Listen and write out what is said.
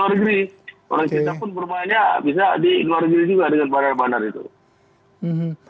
orang kita pun berpaya bisa di luar negeri juga dengan bandar bandar itu